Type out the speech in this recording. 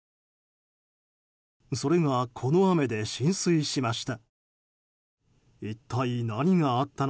それが、この雨で浸水しました。